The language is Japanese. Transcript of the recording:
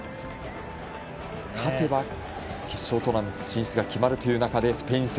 勝てば決勝トーナメント進出が決まるという中でスペイン戦。